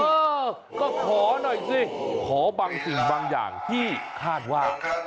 เออก็ขอหน่อยสิขอบางสิ่งบางอย่างที่คาดว่า